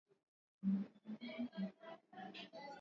ilianza kufanya kazi tarehe thelathini aprili elfu mbili kumi na tano